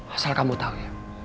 asal kamu tau ya